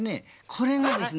これがですね